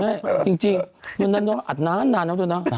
ไม่จริงวันนั้นอันนาน